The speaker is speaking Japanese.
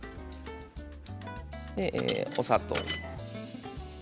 そしてお砂糖。